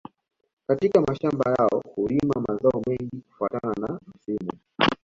Katika mashamba yao hulima mazao mengine kufuatana na msimu